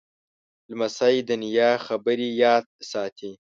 لمسی د نیا خبرې یاد ساتي.